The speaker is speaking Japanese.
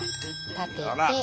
立てて。